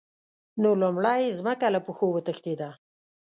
نو لومړی یې ځمکه له پښو وتښتېده.